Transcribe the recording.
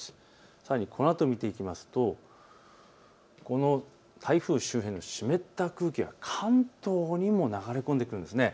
さらにこのあと見ていきますとこの台風周辺の湿った空気が関東にも流れ込んでくるんです。